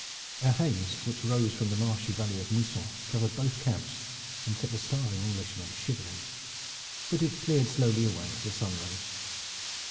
A haze which rose from the marshy valley of Muisson covered both camps and set the starving Englishmen shivering, but it cleared slowly away as the sun rose.